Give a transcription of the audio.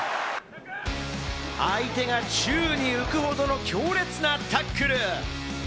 相手が宙に浮くほどの強烈なタックル。